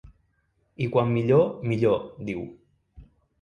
I quan millor, millor, diu.